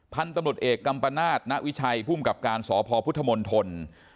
พันธุ์ตำรุดเอกกัมปนาศนวิชัยผู้มกับการสพทน